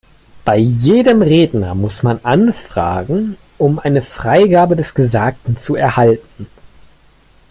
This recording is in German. Bei jedem Redner muss man anfragen, um eine Freigabe des Gesagten zu erhalten.